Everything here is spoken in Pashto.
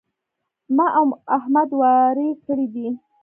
ما او احمد واری کړی دی.